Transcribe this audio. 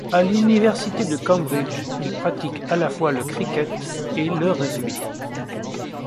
À l'université de Cambridge, il pratique à la fois le cricket et le rugby.